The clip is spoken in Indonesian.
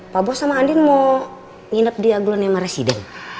pak bos sama andien mau nginep di aglo nema residen